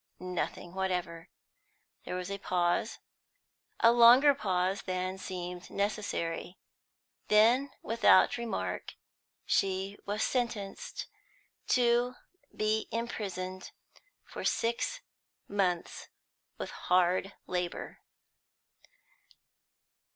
Nothing whatever. There was a pause, a longer pause than seemed necessary. Then, without remark, she was sentenced to be imprisoned for six months with hard labour.